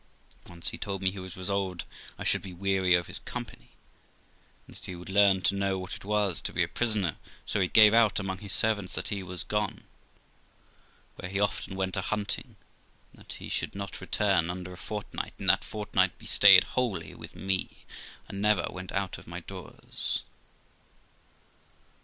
Once he told me he was resolved I should be weary of his company, and that he would learn to know what it was to be a prisoner; so he gave out among THE LIFE OF ROXANA 233 his servants that he was gone to , where he often went a hunting, and that he should not return under a fortnight; and that fortnight he stayed wholly with me, and never went out of my doors.